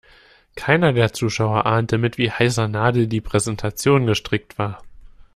Keiner der Zuschauer ahnte, mit wie heißer Nadel die Präsentation gestrickt war.